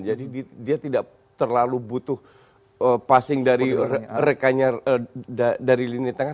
jadi dia tidak terlalu butuh passing dari rekannya dari lini tengah